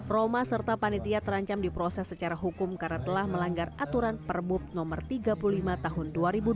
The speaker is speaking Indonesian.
roma serta panitia terancam diproses secara hukum karena telah melanggar aturan perbub no tiga puluh lima tahun dua ribu dua puluh